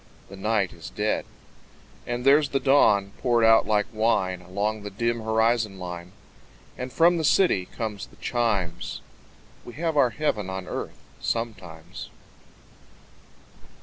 The night is dead. And there's the dawn, poured out like wine Along the dim horizon line. And from the city comes the chimes We have our heaven on earth sometimes!